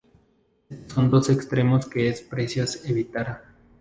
Estos son dos extremos que es precios evitar.